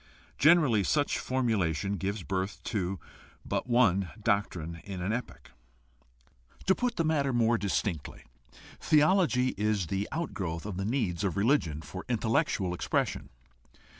Generally such formulation gives birth to but one doctrine in an epoch. To put the matter more distinctly, theology is the out growth of the needs of religion for intellectual expression.